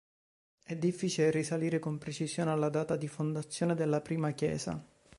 È difficile risalire con precisione alla data di fondazione della prima chiesa.